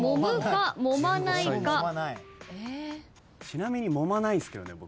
ちなみにもまないんすけどね